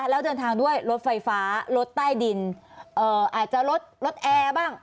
แล้วเดินทางด้วยรถไฟฟ้ารถใต้ดินอาจจะลดรถแอร์บ้าง